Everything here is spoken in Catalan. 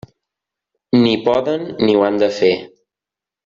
Ni poden ni ho han de fer.